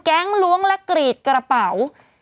ล้วงและกรีดกระเป๋า